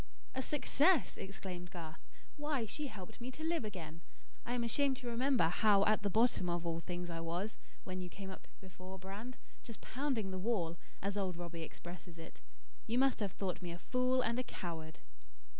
"A success!" exclaimed Garth. "Why, she helped me to live again! I am ashamed to remember how at the bottom of all things I was when you came up before, Brand, just pounding the wall, as old Robbie expresses it. You must have thought me a fool and a coward."